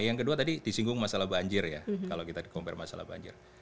yang kedua tadi disinggung masalah banjir ya kalau kita di compare masalah banjir